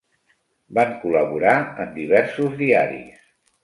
Van col·laborar en diversos diaris.